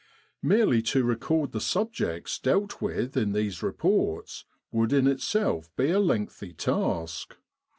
Merely to record the subjects dealt with in these reports would in itself be a lengthy task.